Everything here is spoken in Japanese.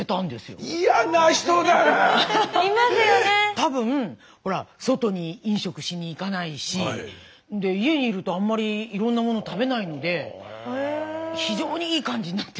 多分ほら外に飲食しに行かないし家にいるとあんまりいろんなもの食べないので非常にいい感じになって。